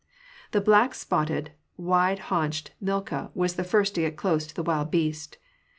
The black spotted, wide haunched Milka was the first to get close to the wild beast.